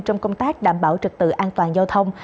trong công tác đảm bảo trực tự an toàn giao thông